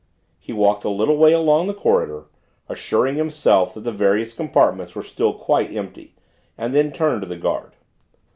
He walked a little way along the corridor, assuring himself that the various compartments were still quite empty, and then turned to the guard.